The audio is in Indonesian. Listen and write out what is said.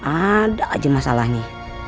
ada aja masalahnya